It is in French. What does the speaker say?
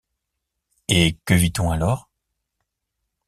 Et que vit-on alors ?